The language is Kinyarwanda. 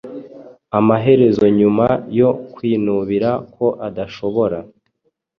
Amaherezonyuma yo kwinubira ko adashobora